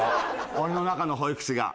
俺の中の保育士が。